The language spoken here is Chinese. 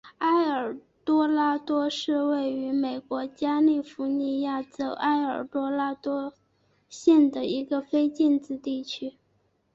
埃尔多拉多是位于美国加利福尼亚州埃尔多拉多县的一个非建制地区。